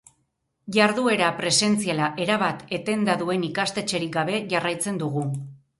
Jarduera presentziala erabat etenda duen ikastetxerik gabe jarraitzen dugu.